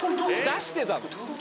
出してたの？